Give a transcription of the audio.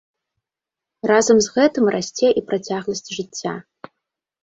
Разам з гэтым расце і працягласць жыцця.